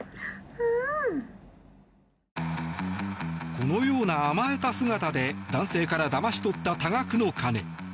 このような甘えた姿で男性からだまし取った多額の金。